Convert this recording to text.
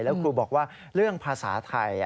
แล้วครูบอกว่าเรื่องภาษาไทย